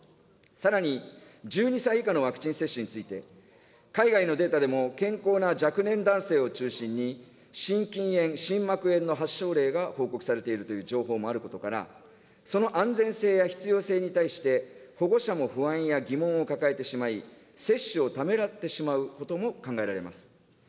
さらに、１２歳以下のワクチン接種について、海外のデータでも、健康な若年男性を中心に、心筋炎・心膜炎の発症例が報告されているという情報もあることから、その安全性や必要性に対して、保護者も不安や疑問を抱えてしまい、接種をためらってしまうことも考えられます。